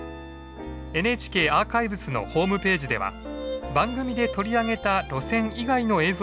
ＮＨＫアーカイブスのホームページでは番組で取り上げた路線以外の映像もご覧頂けます。